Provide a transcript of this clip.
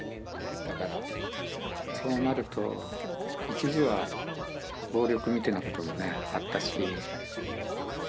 だからそうなると一時は暴力みたいなこともねあったし。